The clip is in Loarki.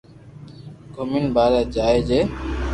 گومين ٻاري جائي جي